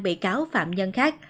bị cáo phạm nhân khác